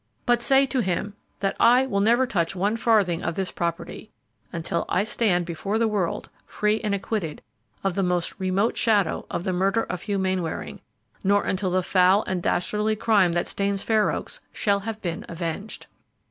But say to him that I will never touch one farthing of this property until I stand before the world free and acquitted of the most remote shadow of the murder of Hugh Mainwaring; nor until the foul and dastardly crime that stains Fair Oaks shall have been avenged!"